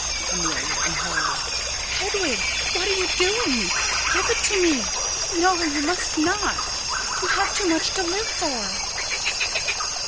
_] Amelia: [In horror.] Hedwig! What are you doing? Give it to me! No, you must not! You have too much to live for.